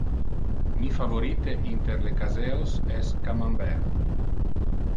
Mi favorite inter le caseos es Camembert.